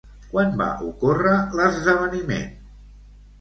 Quan va ocórrer l'esdeveniment?